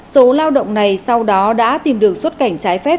số lao động này sau đó đã tìm được xuất cảnh trái phép